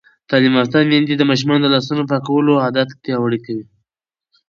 تعلیم یافته میندې د ماشومانو د لاسونو پاکولو عادت پیاوړی کوي.